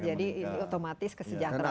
jadi otomatis kesejahteraan masyarakat